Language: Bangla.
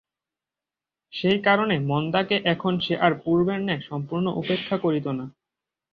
সেই কারণে মন্দাকে এখন সে আর পূর্বের ন্যায় সম্পূর্ণ উপেক্ষা করিত না।